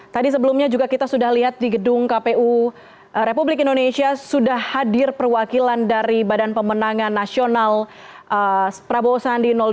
tadi sebelumnya juga kita sudah lihat di gedung kpu republik indonesia sudah hadir perwakilan dari badan pemenangan nasional prabowo sandi dua